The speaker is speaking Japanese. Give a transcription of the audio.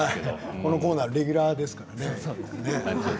このコーナーレギュラーですからね。